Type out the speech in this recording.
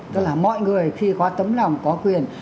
tức là mọi người khi có tấm lòng có quyền